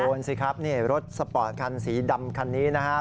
โดนสิครับรถสปอร์ตสีดำคันนี้นะครับ